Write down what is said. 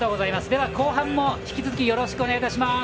では後半も引き続きよろしくお願いいたします。